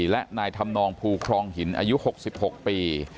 และนายธรรมนองภูครองหินอายุ๖๖ปี